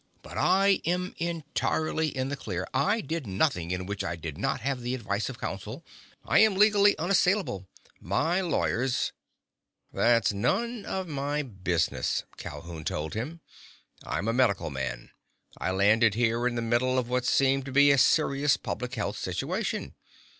But I am entirely in the clear. I did nothing in which I did not have the advice of counsel. I am legally unassailable. My lawyers—" "That's none of my business," Calhoun told him. "I'm a medical man. I landed here in the middle of what seemed to be a serious public health situation.